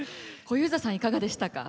小遊三さんいかがでしたか？